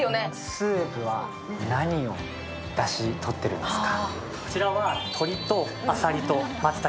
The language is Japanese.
スープは何をだし、とってるんですか？